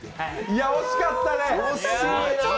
いや、惜しかったね。